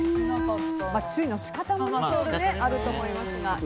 注意の仕方もいろいろあると思いますが。